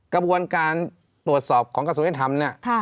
กระบวนการตรวจสอบของกระทรวงยุติธรรมเนี่ย